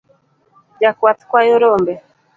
Jakwath kwayo rombe.